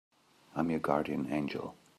I'm your guardian angel.